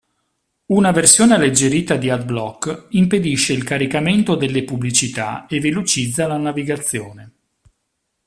Una versione alleggerita di AdBlock impedisce il caricamento delle pubblicità e velocizza la navigazione.